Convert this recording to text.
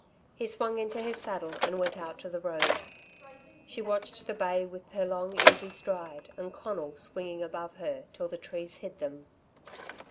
He swung into his saddle, and went out to the road. She watched the bay with her long easy stride and Conal swinging above her, till the trees hid them.